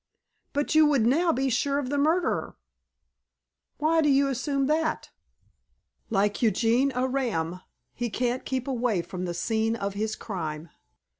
"But you would now be sure of the murderer?" "Why do you assume that?" "Like Eugene Aram, he can't keep away from the scene of his crime."